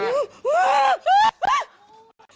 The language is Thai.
พูดมาพูดมา